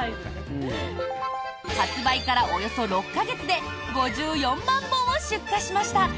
発売からおよそ６か月で５４万本を出荷しました。